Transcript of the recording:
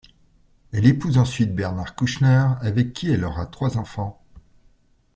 Elle épouse ensuite Bernard Kouchner avec qui elle aura trois enfants.